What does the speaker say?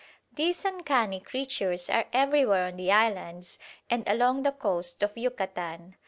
These uncanny creatures are everywhere on the islands and along the coast of Yucatan.